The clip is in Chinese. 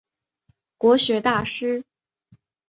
国学大师。